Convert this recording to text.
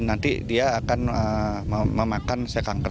nanti dia akan memakan se kanker